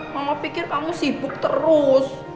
mama pikir kamu sibuk terus